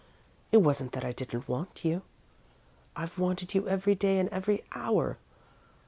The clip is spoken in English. It wasn't that I didn't want you. I've wanted you every day and every hour.